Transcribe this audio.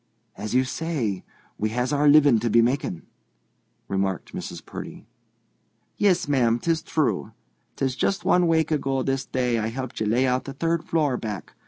"As you say, we has our living to be making," remarked Mrs. Purdy. "Yis, ma'am; 'tis true. 'Tis just one wake ago this day I helped ye lay out the third floor, back.